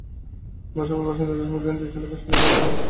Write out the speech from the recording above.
বাসাবোর বাসিন্দা জসিম উদ্দিন দুই ছেলেকে সঙ্গে নিয়ে এখানে ইফতার করেছেন।